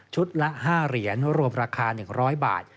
ละ๕เหรียญรวมราคา๑๐๐บาท